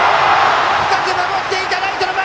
深く守っていたライト前！